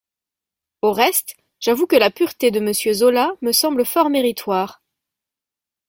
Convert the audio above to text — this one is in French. Au reste, j'avoue que la pureté de Monsieur Zola me semble fort méritoire.